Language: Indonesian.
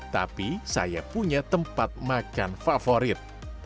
tapi saya punya tempat makan favorit